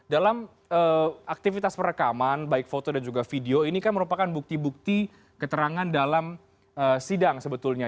dalam aktivitas perekaman baik foto dan juga video ini kan merupakan bukti bukti keterangan dalam sidang sebetulnya